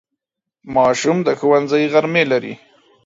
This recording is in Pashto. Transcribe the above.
ماشوم د ښوونځي غرمې لري.